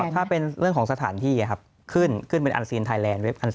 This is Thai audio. ถ้าเป็นเรื่องของสถานที่ขึ้นเป็นอัลซีนไทแลนด์